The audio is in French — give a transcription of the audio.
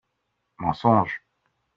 Mensonge